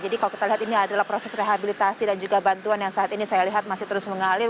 jadi kalau kita lihat ini adalah proses rehabilitasi dan juga bantuan yang saat ini saya lihat masih terus mengalir